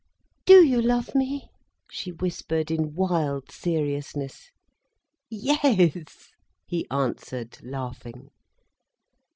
"Do you love me?" she whispered, in wild seriousness. "Yes," he answered, laughing.